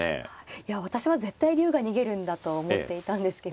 いや私は絶対竜が逃げるんだと思っていたんですけれども。